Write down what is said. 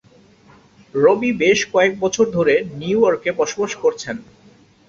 রবি বেশ কয়েক বছর ধরে নিউ ইয়র্কে বসবাস করছেন।